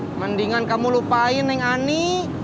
ya mendingan kamu lupain neng ani